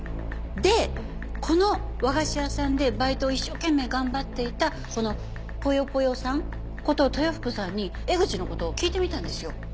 でこの和菓子屋さんでバイトを一生懸命頑張っていたこのぽよぽよさんこと豊福さんにエグチの事を聞いてみたんですよ。